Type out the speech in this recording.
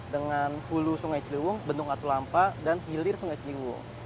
dengan hulu sungai ciliwung bentuk ngatu lampa dan hilir sungai ciliwung